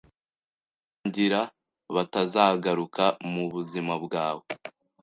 uri kwangira batazagaruka mu buzima bwawe